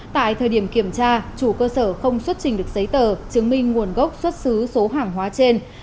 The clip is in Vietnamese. tại thời điểm kiểm tra chủ cơ sở không xuất trình được giấy tờ chứng minh nguồn gốc xuất xứ số hàng hóa trên